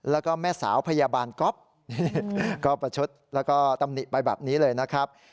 แล้วก็แม่สาวพยาบาลก๊อฟก็ประชดแล้วก็ตำหนิไปแบบนี้เลยนะครับ